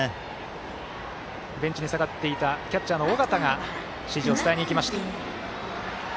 ベンチに下がっていたキャッチャーの尾形が指示を伝えに行きました。